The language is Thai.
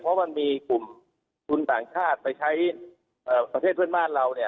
เพราะมันมีกลุ่มทุนต่างชาติไปใช้ประเทศเพื่อนบ้านเราเนี่ย